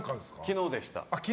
昨日でした。